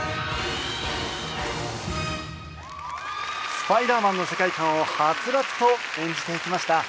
『スパイダーマン』の世界観をはつらつと演じていきました。